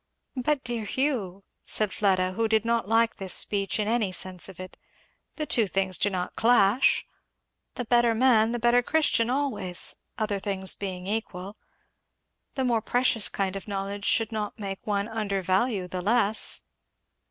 "But dear Hugh," said Fleda, who did not like this speech in any sense of it, "the two things do not clash. The better man the better Christian always, other things being equal. The more precious kind of knowledge should not make one undervalue the less?"